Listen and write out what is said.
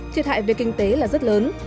thiệt hại về kinh tế là rất lớn